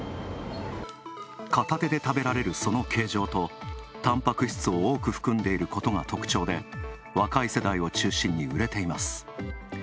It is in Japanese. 片手で食べられるその形状とたんぱく質を多く含んでいることが特徴で若い世代を中心に売れています。